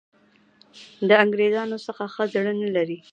د انګرېزانو څخه ښه زړه نه لري.